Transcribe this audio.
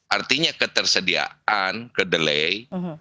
artinya ketersediaan kedelai